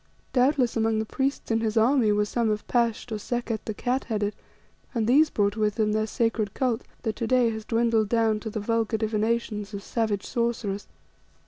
Doubtless among the priests in his army were some of Pasht or Sekket the Cat headed, and these brought with them their secret cult, that to day has dwindled down to the vulgar divinations of savage sorcerers.